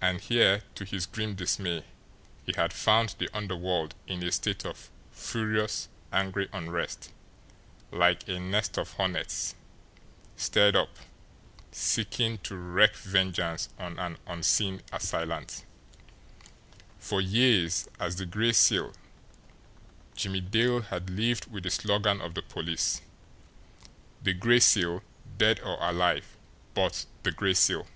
And here, to his grim dismay, he had found the underworld in a state of furious, angry unrest, like a nest of hornets, stirred up, seeking to wreak vengeance on an unseen assailant. For years, as the Gray Seal, Jimmie Dale had lived with the slogan of the police, "The Gray Seal dead or alive but the Gray Seal!"